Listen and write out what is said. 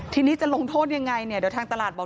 ทีนี้จะลงโทษยังไงเนี่ยเดี๋ยวทางตลาดบอก